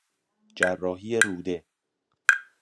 جراحی روده